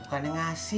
gak ada yang ngasih